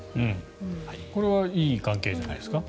これはいい関係じゃないですか？